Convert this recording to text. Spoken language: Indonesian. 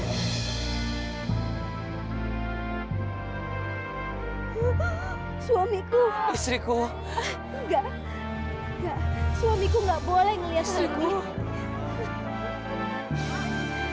jangan lupa ratu ular mereka akan berubah menjadi ular